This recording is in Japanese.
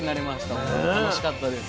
ほんと楽しかったです。